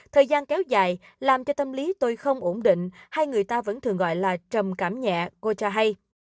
thời gian kéo dài làm cho tâm lý tôi không ổn định hay người ta vẫn thường gọi là trầm cảm nhẹ cô cha hay